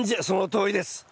そのとおりです。